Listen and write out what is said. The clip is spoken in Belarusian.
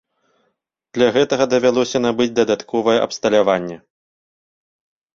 Для гэтага давялося набыць дадатковае абсталяванне.